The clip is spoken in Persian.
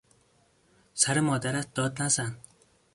سر مادرت داد نزن!